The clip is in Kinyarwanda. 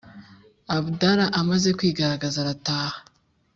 abdallah amaze kwigaragaza arataha